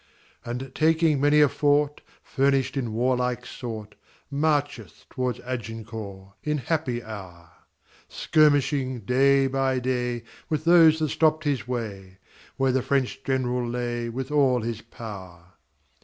And taking many a fort, Furnished in warlike sort, Marcheth towards Agincourt, In happy hour; Skirmishing day by day With those that stopped his way, Where the French gen'ral lay With all his power.